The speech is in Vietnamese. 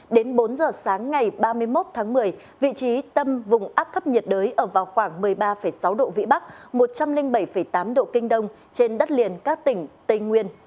đến bốn giờ sáng ngày ba mươi một tháng một mươi vị trí tâm vùng áp thấp nhiệt đới ở vào khoảng một mươi ba sáu độ vĩ bắc một trăm linh bảy tám độ kinh đông trên đất liền các tỉnh tây nguyên